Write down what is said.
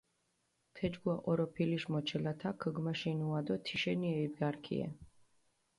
თეჯგუა ჸოროფილიშ მოჩილათაქ ქჷგმაშინუა დო თიშენიე იბგარქიე.